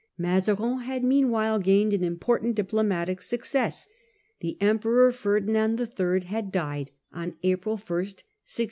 Mazarin had meanwhile gained an important diplo matic success. The Emperor Ferdinand III. had died on April I, 1657.